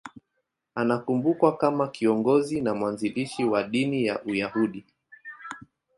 Anakumbukwa kama kiongozi na mwanzilishi wa dini ya Uyahudi.